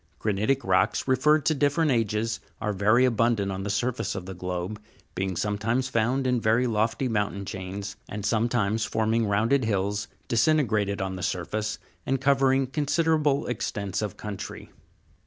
Granitic rocks, referred to different ages, are very abundant on the sur face of the globe ; being found sometimes in very lofty mountain chains, and sometimes forming rounded hills disintegrated on the surface, and cover ing considerable extents of country.